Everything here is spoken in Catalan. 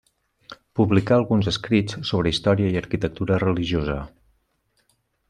Publicà alguns escrits sobre història i arquitectura religiosa.